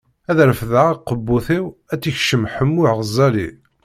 Ad refdeɣ akebbuṭ-iw, ad tt-ikcem Ḥemmu Ɣzali.